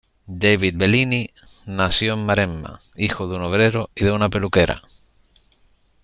David Bellini nació en Maremma, hijo de un obrero y de una peluquera.